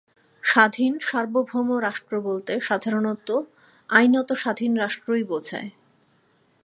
স্বাধীন-সার্বভৌম রাষ্ট্র বলতে সাধারণত আইনত স্বাধীন রাষ্ট্রই বোঝায়।